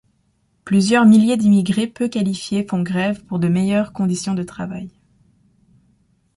Plusieurs milliers d'immigrés peu qualifiés font grève pour de meilleures conditions de travail.